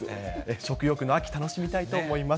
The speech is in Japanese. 食欲の秋、楽しみたいと思います。